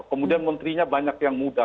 kemudian menterinya banyak yang muda